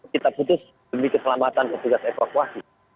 kita putus demi keselamatan petugas evakuasi